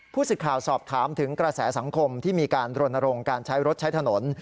สิทธิ์ข่าวสอบถามถึงกระแสสังคมที่มีการรณรงค์การใช้รถใช้ถนน